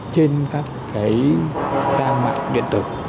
trên các cái trang mạng điện tử